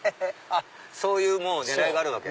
そういうもう狙いがあるわけ。